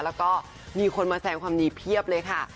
แล้วก็มีคนมาแสงความดีเพียบเลยค่ะ